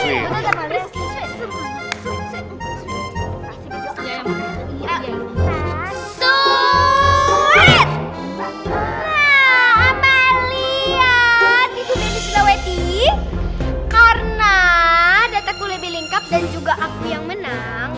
nah malian disubihti silaweti karena dataku lebih lengkap dan juga aku yang menang